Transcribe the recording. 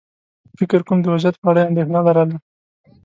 فکر کووم د وضعيت په اړه یې اندېښنه لرله.